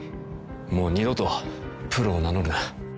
もう二度とプロを名乗るな。